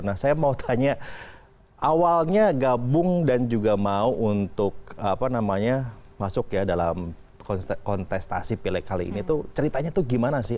nah saya mau tanya awalnya gabung dan juga mau untuk masuk ya dalam kontestasi pilek kali ini tuh ceritanya tuh gimana sih